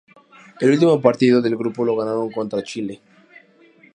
El último partido del grupo lo ganaron contra Chile.